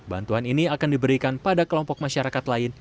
bantuan ini akan diberikan pada kelompok masyarakat lain